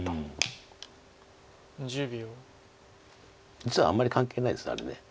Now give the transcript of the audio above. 実はあんまり関係ないですあれ。